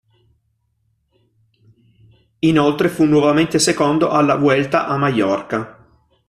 Inoltre fu nuovamente secondo alla Vuelta a Mallorca.